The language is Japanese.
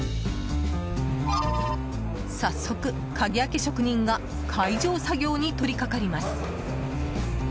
早速、鍵開け職人が解錠作業に取り掛かります。